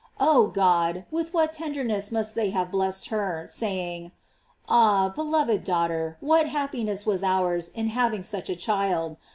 Oh God! with what tenderness must they have blessed her, saying: Ah! beloved daughter, what happiness was ours in having such a child!